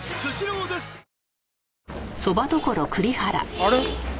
あれ？